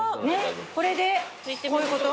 これでこういうこと？